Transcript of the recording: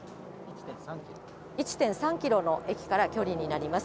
１．３キロの、駅から距離になります。